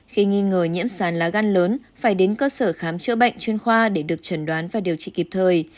khi nghi ngờ nhiễm sán lá gan lớn phải đến cơ sở khám chữa bệnh chuyên khoa để được trần đoán và điều trị kịp thời